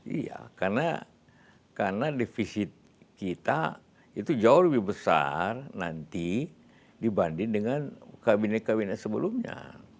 iya karena defisit kita itu jauh lebih besar nanti dibanding dengan kabinet kabinet sebelumnya